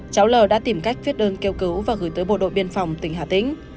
cháu l đã tìm cách viết đơn kêu cứu và gửi tới bộ đội biên phòng tỉnh hà tĩnh